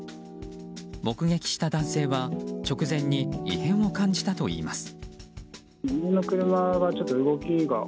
目撃した男性は直前に異変を感じたといいます。